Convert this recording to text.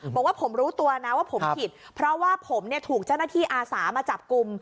บอกว่าผมรู้ตัวนะว่าผมผิดเพราะว่าผมเนี่ยถูกเจ้าหน้าที่อาสามาจับกลุ่ม